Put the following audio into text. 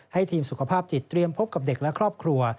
ทีมสุขภาพจิตเตรียมพบกับเด็กและครอบครัว